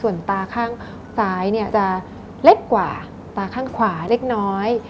ส่วนตาข้างซ้ายเนี่ยจะเล็กกว่าตาข้างขวาเล็กน้อย